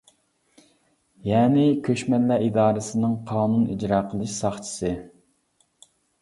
يەنى كۆچمەنلەر ئىدارىسىنىڭ قانۇن ئىجرا قىلىش ساقچىسى.